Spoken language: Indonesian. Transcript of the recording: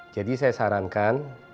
jadi saya sarankan